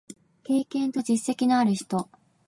経験と実績のある人